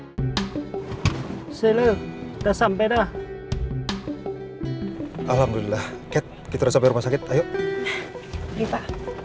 hai seluruh kita sampai dah alhamdulillah kita sampai rumah sakit ayo kita